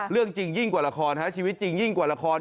เรื่องจริงยิ่งกว่าละครชีวิตจริงยิ่งกว่าละคร